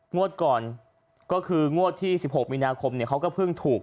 งวดก่อนก็คืองวดที่๑๖มีนาคมเขาก็เพิ่งถูก